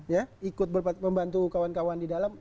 ya ikut membantu kawan kawan di dalam